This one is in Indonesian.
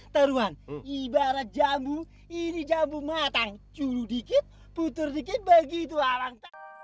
teruan ibarat jambu ini jambu matang curu dikit putur dikit begitu abang